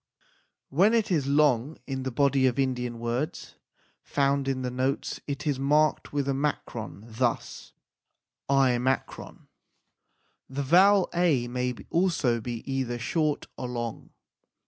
When it is long in the body of Indian words found in the notes it is marked with a makron, thus l. The vowel a may also be either short or long.